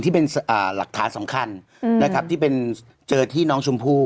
ที่เป็นหลักฐานสำคัญนะครับที่เป็นเจอที่น้องชมพู่